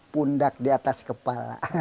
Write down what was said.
pundak di atas kepala